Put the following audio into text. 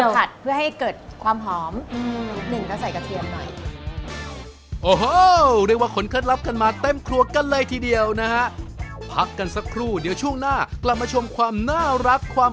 เตรียมตัวจะผัดเพื่อให้เกิดความหอม